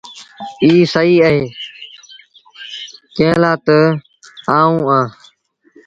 ايٚ سهيٚ اهي ڪݩهݩ لآ تا آئوٚنٚ اهآنٚ۔